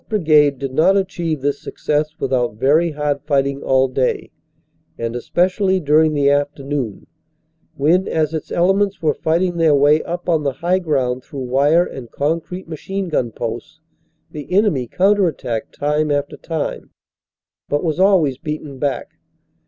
Brigade did not achieve this success without very hard fighting all day, and especially during the afternoon, when as its elements were fighting their way up on the high ground through wire and concrete machine gun posts, the enemy counter attacked time after time, but was always beaten back.